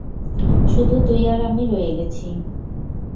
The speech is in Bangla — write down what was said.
শুধু তুই আর আমি রয়ে গেছি।